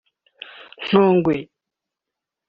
Ntongwe